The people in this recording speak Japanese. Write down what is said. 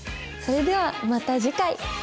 それではまた次回せの！